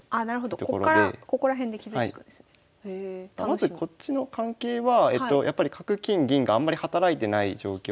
まずこっちの関係は角金銀があんまり働いてない状況で。